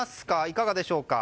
いかがでしょうか。